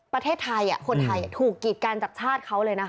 ประเทศไทยคนไทยถูกกีดกันจากชาติเขาเลยนะคะ